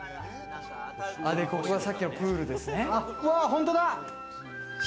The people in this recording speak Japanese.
ここがさっきのプールですね。